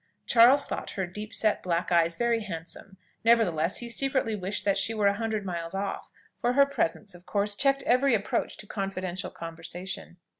Charles thought her deep set black eyes very handsome; nevertheless, he secretly wished that she were a hundred miles off, for her presence, of course, checked every approach to confidential conversation.